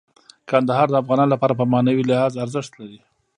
کندهار د افغانانو لپاره په معنوي لحاظ ارزښت لري.